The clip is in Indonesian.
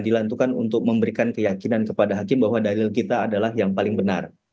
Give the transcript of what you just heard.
dilantukan untuk memberikan keyakinan kepada hakim bahwa dalil kita adalah yang paling benar